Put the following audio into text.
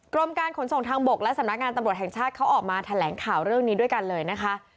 กรมการขนส่งทางบกและสำนักงานตำรวจแห่งชาติเขาออกมาแถลงข่าวเรื่องนี้ด้วยกันเลยนะคะ